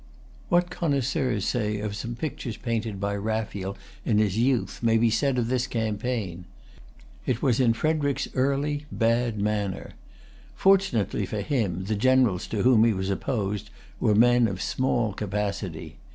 What connoisseurs say of some pictures painted by Raphael in his youth may be said of this campaign. It was in Frederic's early bad manner. Fortunately for him, the generals to whom he was opposed were men of small capacity.